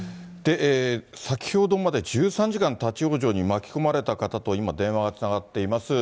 先ほどまで１３時間立往生に巻き込まれた方と、今、電話がつながっています。